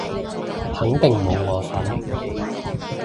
肯定冇我份